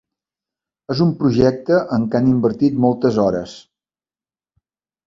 És un projecte en què han invertit moltes hores.